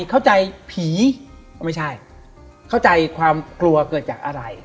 เข้าใจผีก็ไม่ใช่เข้าใจความกลัวเกิดจากอะไร